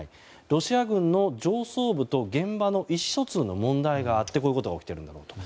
ロシア軍の上層部と現場の意思疎通の問題があってこういうことが起きているんだろうと。